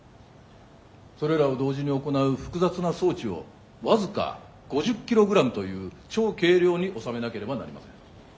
それらを同時に行う複雑な装置を僅か５０キログラムという超軽量に収めなければなりません。